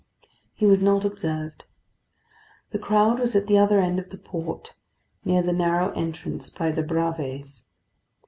He was not observed. The crowd was at the other end of the port, near the narrow entrance, by the Bravées.